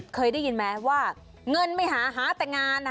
เคยได้ยินไหมว่าเงินไม่หาหาแต่งาน